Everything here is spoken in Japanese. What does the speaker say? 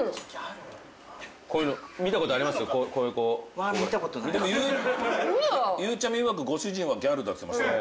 はいるよゆうちゃみいわくご主人はギャルだって言ってましたよ